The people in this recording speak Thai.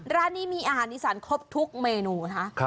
ร้านนี้มีอาหารอีสานครบทุกเมนูนะ